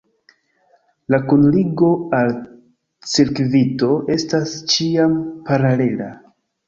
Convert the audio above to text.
La kunligo al cirkvito estas ĉiam paralela.